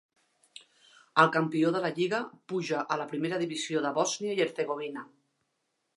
El campió de la lliga puja a la primera divisió de Bòsnia i Hercegovina.